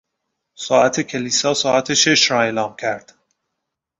ساعت کلیسا ساعت شش را اعلام کرد.